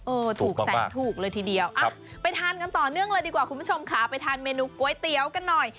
ถูกแสนถูกเลยทีเดียวไปทานกันต่อเนื่องเลยดีกว่าคุณผู้ชมค่ะไปทานเมนูก๋วยเตี๋ยวกันหน่อย